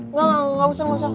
enggak usah enggak usah